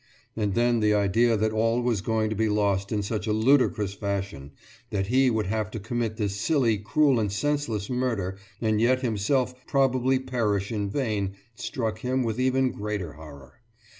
And then the idea that all was going to be lost in such a ludicrous fashion, that he would have to commit this silly, cruel, and senseless murder, and yet himself probably perish in vain, struck him with even greater horror.